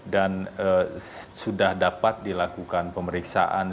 dan sudah dapat dilakukan pemeriksaan